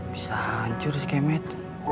bisa hancur si kemet